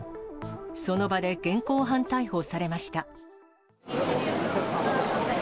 その場で現行犯逮捕されました。